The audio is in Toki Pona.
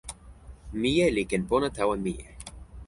mije li ken pona tawa mije.